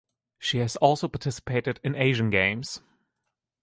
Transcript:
She has also participated in Asian Games.